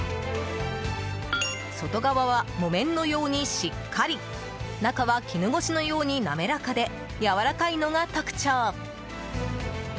外側は木綿のようにしっかり中は絹ごしのようになめらかでやわらかいのが特徴。